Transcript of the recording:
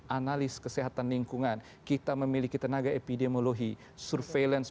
analis kesehatan lingkungan kita memiliki tenaga epidemiologi surveillance